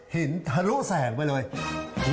ทะลุแสงไปเลย